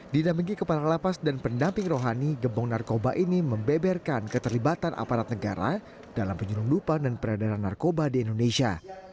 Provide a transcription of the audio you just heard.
di damenggi kepala lapas dan pendamping rohani gembong narkoba ini membeberkan keterlibatan aparat negara dalam penyelundupan dan peredaran narkoba di indonesia